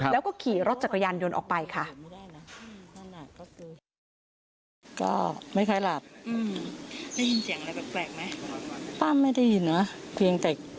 แล้วก็ขี่รถจักรยานยนต์ออกไปค่ะ